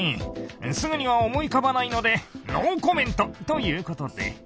すぐには思い浮かばないのでノーコメントということで。